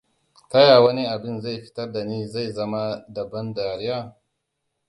Ta yaya wani abin da zai fitar da ni zai zama da ban dariya?